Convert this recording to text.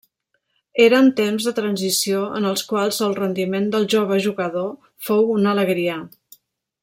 Eren temps de transició en els quals el rendiment del jove jugador fou una alegria.